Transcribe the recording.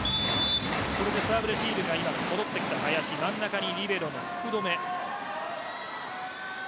これでサーブレシーブが戻ってきた林真ん中にリベロの福留。